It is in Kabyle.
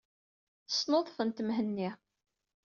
Snuḍfet Mhenni.